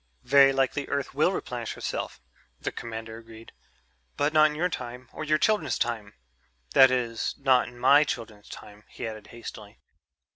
"Very likely Earth will replenish herself," the commander agreed, "but not in your time or your children's time.... That is, not in my children's time," he added hastily.